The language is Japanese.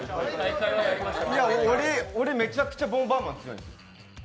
いや、俺、めちゃくちゃ「ボンバーマン」強いんですよ。